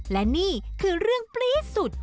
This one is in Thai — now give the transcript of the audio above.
และนี่คือเรื่องปรี๊ดสุด